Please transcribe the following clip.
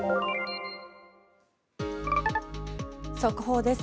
速報です。